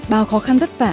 bao khó khăn vất vả